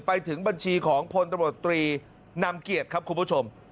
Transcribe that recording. ไปถึงบัญชีของพลตำรวจตรีนำเกียรติครับคุณผู้ชม